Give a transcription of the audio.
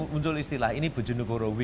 muncul istilah ini berjenduk roh